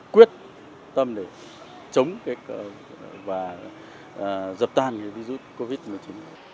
quyết tâm để chống cái và dập tàn cái virus covid một mươi chín này